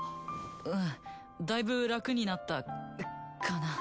うんだいぶ楽になったかな。